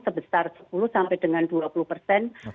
sebesar sepuluh sampai dengan dua puluh persen